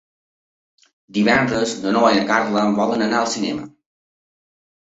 Divendres na Noa i na Carla volen anar al cinema.